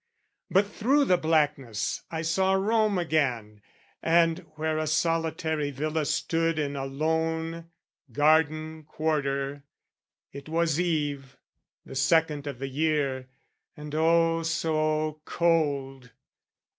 But through the blackness I saw Rome again, And where a solitary villa stood In a lone garden quarter: it was eve, The second of the year, and oh so cold!